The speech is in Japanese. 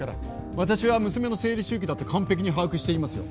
私は娘の生理周期だって完璧に把握していますよ。